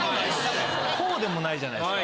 こうでもないじゃないですか。